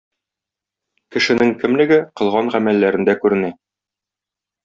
Кешенең кемлеге кылган гамәлләрендә күренә.